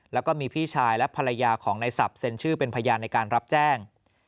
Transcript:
แล้วก็มีพี่ชายและภรรยาของในศัพทเซ็นชื่อเป็นพยานในการรับแจ้ง